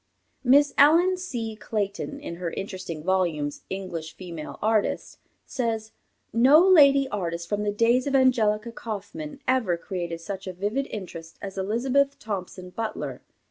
Miss Ellen C. Clayton, in her interesting volumes, English Female Artists, says, "No lady artist, from the days of Angelica Kauffman, ever created such a vivid interest as Elizabeth Thompson Butler.